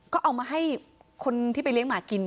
ก็เอามาให้คนที่ไปเลี้ยงหมากิน